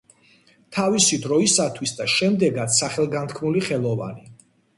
თავისი დროისათვის და შემდეგაც სახელგანთქმული ხელოვანი.